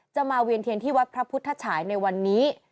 มาเวียนเทียนที่วัดพระพุทธฉายในวันนี้